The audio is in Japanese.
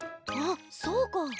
あっそうか。